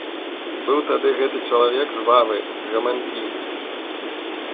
Быў тады гэты чалавек жвавы, гаманкі.